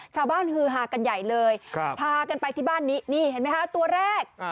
ฮือฮากันใหญ่เลยพากันไปที่บ้านนี้นี่เห็นไหมคะตัวแรก